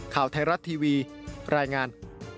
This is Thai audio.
ข่าวไทยรัฐทีวีรายงาน